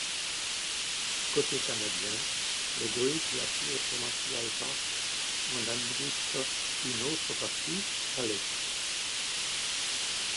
Côté canadien le Great Glacier Provincial Park en administre une autre partie, à l'Est.